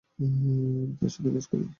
আমি তার সাথে কাজ করি।